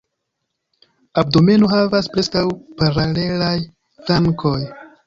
Abdomeno havas preskaŭ paralelaj flankoj.